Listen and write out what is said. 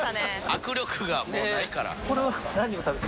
握力がもうないから。